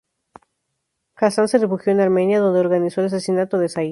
Hasán se refugió en Armenia, donde organizó el asesinato de Saíd.